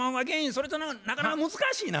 それってなかなか難しいな。